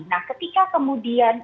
nah ketika kemudian